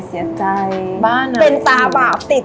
เจนอีนเป็นตาบาปติด